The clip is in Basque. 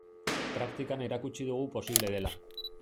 Praktikan erakutsi dugu posible dela.